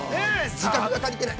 ◆時間が足りてない。